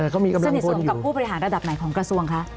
เขามีกำลังสนิทสนมกับผู้บริหารระดับไหนของกระทรวงคะ